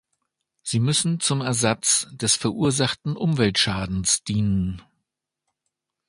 Sie müssen zum Ersatz des verursachten Umweltschadens dienen.